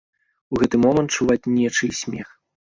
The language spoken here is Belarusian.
У гэты момант чуваць нечый смех.